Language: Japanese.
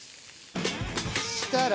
そしたら。